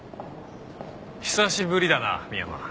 久しぶりだな深山。